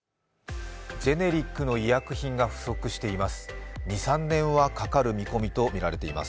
ジェネリックの医薬品が不足しています。